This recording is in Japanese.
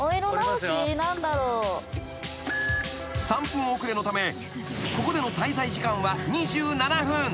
［３分遅れのためここでの滞在時間は２７分］